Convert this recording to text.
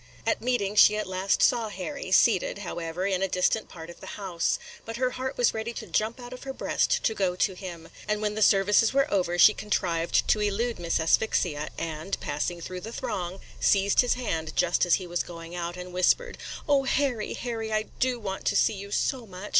At meeting she at last saw Harry, seated, however, in a distant part of the house; but her heart was ready to jump out of her breast to go to him; and when the services were over she contrived to elude Miss Asphyxia, and, passing through the throng, seized his hand just as he was going out, and whispered, "O Harry, Harry, I do want to see you so much!